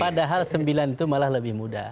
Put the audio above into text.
padahal sembilan itu malah lebih mudah